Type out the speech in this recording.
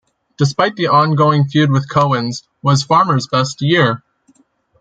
Despite the ongoing feud with Cowens, was Farmer's best year.